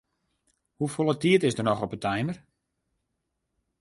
Hoefolle tiid is der noch oer op 'e timer?